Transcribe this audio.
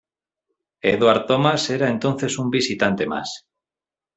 Edward Thomas era entonces un visitante más.